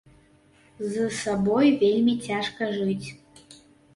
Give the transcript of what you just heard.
З сабой вельмі цяжка жыць.